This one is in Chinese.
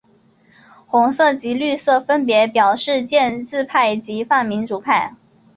红色及绿色分别表示建制派及泛民主派。